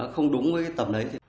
không đúng với tầm đấy